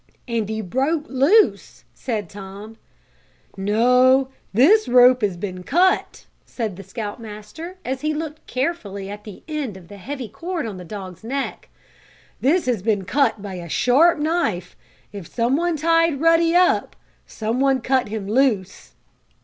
"And he broke loose," said Tom. "No, this rope has been cut," said the Scout Master, as he looked carefully at the end of the heavy cord on the dog's neck. "This has been cut by a sharp knife. If some one tied Ruddy up some one cut him loose."